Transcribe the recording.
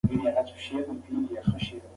هغه د خپلو لورانو د تعلیم لپاره کابل ته کډه وکړه.